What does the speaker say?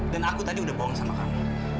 aku tadi udah bohong sama kamu